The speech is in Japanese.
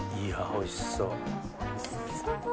おいしそ。